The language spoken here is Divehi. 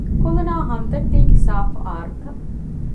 ކުލުނާއި ހަމްދަރްދީގެ ސާފު އާރުތައް